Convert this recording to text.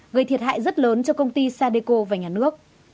gây thiệt hại rất lớn cho công ty sadeco và nhà nước